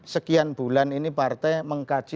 sekian bulan ini partai mengkaji